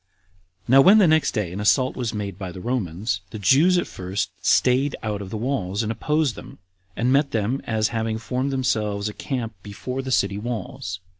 5. Now when the next day an assault was made by the Romans, the Jews at first staid out of the walls and opposed them, and met them, as having formed themselves a camp before the city walls.